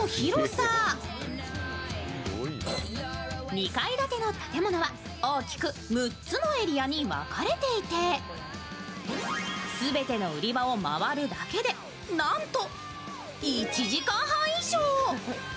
２階建ての建物は大きく６つのエリアに分かれていて全ての売り場を回るだけでなんと１時間半以上。